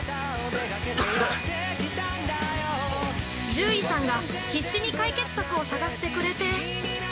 ◆獣医さんが解決策を探してくれて。